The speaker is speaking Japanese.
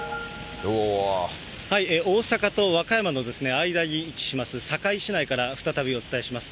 大阪と和歌山の間に位置します、堺市内から再びお伝えします。